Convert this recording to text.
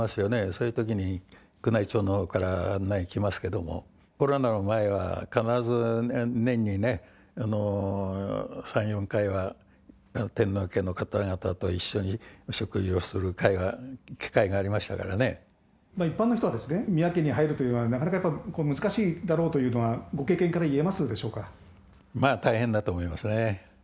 そういうときに宮内庁のほうから案内が来ますけれども、コロナの前は必ず年に３、４回は天皇家の方々と一緒にお食事をする機会が一般の人は宮家に入るというのは、なかなかやっぱり難しいだろうというのは、ご経験から言えまあ、大変だと思いますよね。